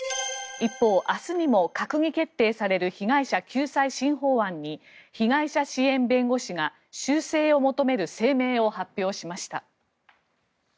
一方、明日にも閣議決定される被害者救済新法案に被害者支援弁護士が修正を求める声明を発表しました。